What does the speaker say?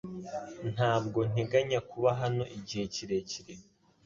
Ntabwo nteganya kuba hano igihe kirekire .